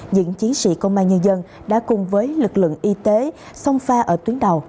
những chiến sĩ công an nhân dân đã cùng với lực lượng y tế song pha ở tuyến đầu